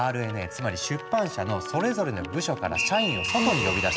つまり出版社のそれぞれの部署から社員を外に呼び出し